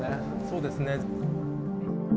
そうですね。